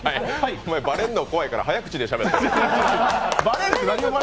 お前バレんの怖いから早口でしゃべってるやん。